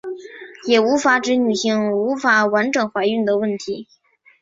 也可以指女性无法完整怀孕的问题。